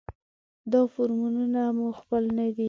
دا فورمونه مو خپل نه دي.